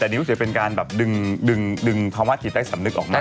แต่นี่ก็จะเป็นการดึงภาวะจิตใต้สนึกออกมา